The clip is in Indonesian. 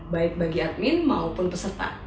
baik bagi admin maupun peserta